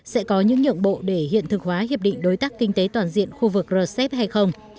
sẽ có những nhượng bộ để hiện thực hóa hiệp định đối tác kinh tế toàn diện khu vực rcep hay không